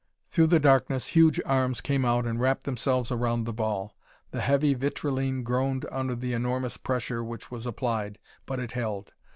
Through the darkness huge arms came out and wrapped themselves around the ball. The heavy vitrilene groaned under the enormous pressure which was applied, but it held.